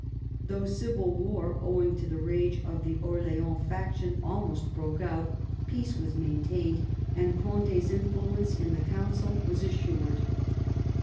Though civil war, owing to the rage of the Orleans faction, almost broke out, peace was maintained, and Condi's influence in the Council was assured.